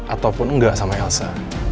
ataupun engga sama elsa